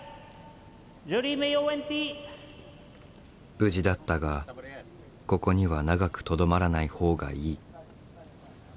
無事だったがここには長くとどまらない方がいい。